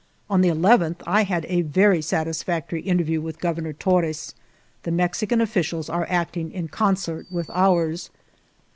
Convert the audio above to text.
On the 11th I had a very satisfactory inter view with Governor Torres. The Mexican officials are acting in concert with ours.'